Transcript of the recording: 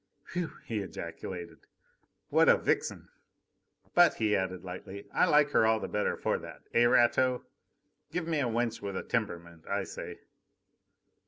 "Whew!" he ejaculated. "What a vixen! But," he added lightly, "I like her all the better for that eh, Rateau? Give me a wench with a temperament, I say!"